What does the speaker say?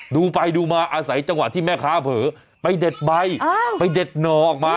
ดูไปดูมาอาศัยจังหวะที่แม่ค้าเผลอไปเด็ดใบไปเด็ดหน่อออกมา